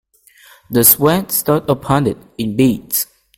The sweat stood upon it in beads.